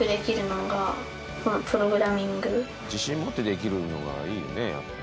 自信持ってできるのがいいよねやっぱり。